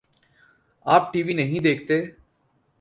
آ پ TV نہیں دیکھتے؟